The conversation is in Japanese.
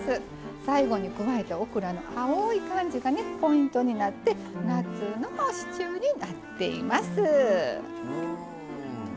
最後に加えたオクラの青い感じがポイントになって夏のシチューになっています。